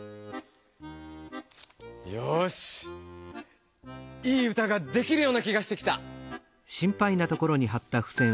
よしいい歌ができるような気がしてきた。